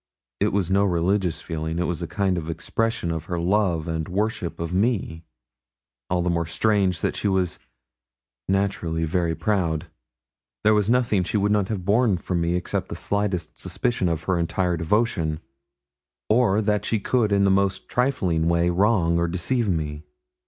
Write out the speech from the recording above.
It was no religious feeling it was a kind of expression of her love and worship of me all the more strange that she was naturally very proud. There was nothing she would not have borne from me except the slightest suspicion of her entire devotion, or that she could in the most trifling way wrong or deceive me.